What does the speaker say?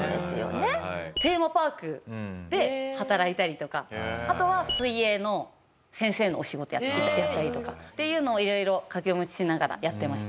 テーマパークで働いたりとかあとは水泳の先生のお仕事やったりとかっていうのを色々掛け持ちしながらやってました。